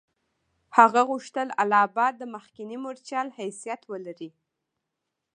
هغه غوښتل اله آباد د مخکني مورچل حیثیت ولري.